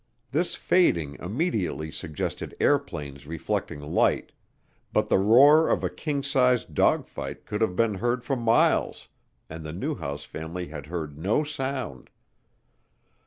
This fading immediately suggested airplanes reflecting light, but the roar of a king sized dogfight could have been heard for miles and the Newhouse family had heard no sound.